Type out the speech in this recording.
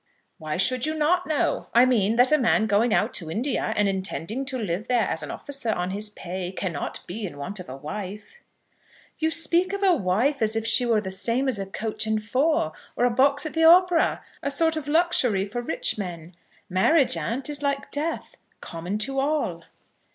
"Why should you not know? I mean, that a man going out to India, and intending to live there as an officer on his pay, cannot be in want of a wife." "You speak of a wife as if she were the same as a coach and four, or a box at the opera, a sort of luxury for rich men. Marriage, aunt, is like death, common to all."